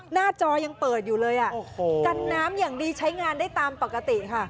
หน้าจอยังเปิดอยู่เลยกันน้ำอย่างดีใช้งานได้ตามปกติค่ะ